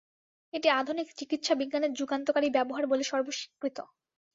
এটি আধুনিক চিকিৎসা বিজ্ঞানের যুগান্তকারী ব্যবহার বলে সর্বস্বীকৃত।